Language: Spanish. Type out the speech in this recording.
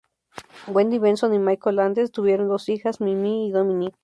Wendy Benson y Michael Landes tuvieron dos hijas Mimi y Dominic.